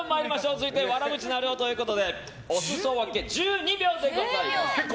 続いてはわらふぢなるおということでお裾分け、１２秒でございます。